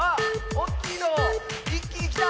おっきいのいっきにきた！